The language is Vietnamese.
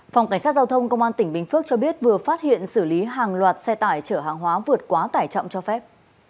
phòng cảnh sát giao thông công an tỉnh bình phước cho biết vừa phát hiện xử lý hàng loạt xe tải chở hàng hóa vượt quá tải trọng cho phép